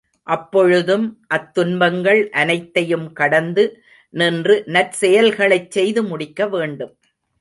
அப்பொழுதும் அத்துன்பங்கள் அனைத்தையும் கடந்து நின்று நற்செயல்களைச் செய்து முடிக்கவேண்டும்.